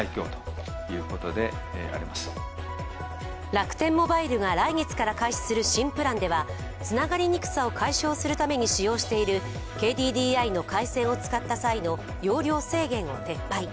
楽天モバイルが来月から開始する新プランではつながりにくさを解消するために使用しているＫＤＤＩの回線を使った際の容量制限を撤廃。